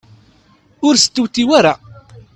Ur stewtiw ara.